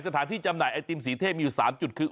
จำหน่ายไอติมสีเทพมีอยู่๓จุดคือ